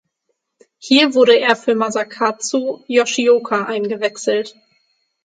Hier wurde er für Masakazu Yoshioka eingewechselt.